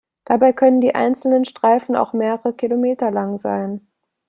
Dabei können die einzelnen Streifen auch mehrere Kilometer lang sein.